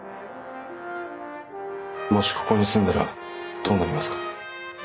もしここに住んだらどうなりますか？